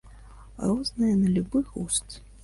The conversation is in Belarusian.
Розныя, на любы густ.